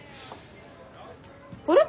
あれ！？